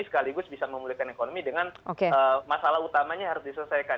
sekaligus bisa memulihkan ekonomi dengan masalah utamanya harus diselesaikan